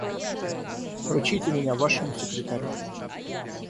Поручите меня Вашему секретарю.